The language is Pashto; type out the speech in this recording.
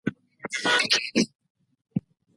کوچني ټپونه په دقیق ډول معلومېږي.